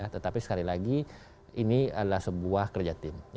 tetapi sekali lagi ini adalah sebuah kerja tim